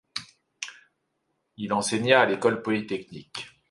Il enseigna à l'École polytechnique.